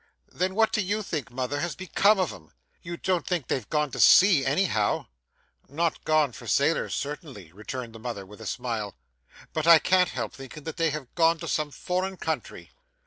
'Then what do you think, mother, has become of 'em? You don't think they've gone to sea, anyhow?' 'Not gone for sailors, certainly,' returned the mother with a smile. 'But I can't help thinking that they have gone to some foreign country.